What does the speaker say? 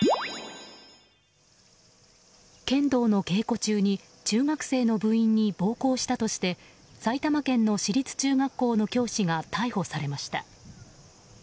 剣道の稽古中に中学生の部員に暴行したとして埼玉県の私立中学校の教師が逮捕されました。